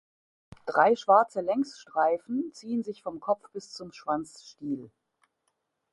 Drei schwarze Längsstreifen ziehen sich vom Kopf bis zum Schwanzstiel.